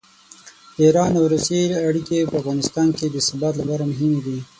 د ایران او روسیې اړیکې په افغانستان کې د ثبات لپاره مهمې دي.